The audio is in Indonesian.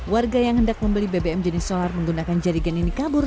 warga yang hendak membeli bbm jenis solar menggunakan jadigen ini kabur